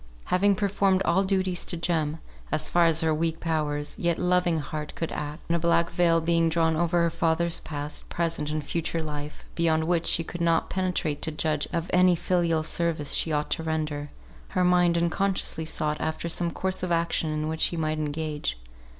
Having performed all duties to Jem, as far as her weak powers, yet loving heart could act; and a black veil being drawn over her father's past, present, and future life, beyond which she could not penetrate to judge of any filial service she ought to render; her mind unconsciously sought after some course of action in which she might engage.